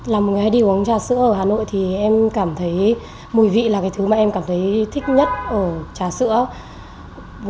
là một ngày đi uống trà sữa ở hà nội thì em cảm thấy mùi vị là cái thứ mà em cảm thấy thích nhất ở trà sữa